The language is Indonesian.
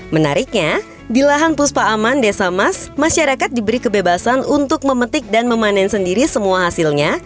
menariknya di lahan puspa aman desa mas masyarakat diberi kebebasan untuk memetik dan memanen sendiri semua hasilnya